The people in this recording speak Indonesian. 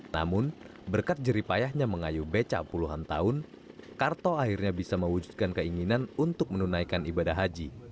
namun berkat jeripayahnya mengayuh beca puluhan tahun karto akhirnya bisa mewujudkan keinginan untuk menunaikan ibadah haji